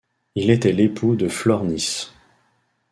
Il était l'époux de Flore Nys.